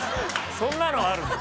そんなのあるの？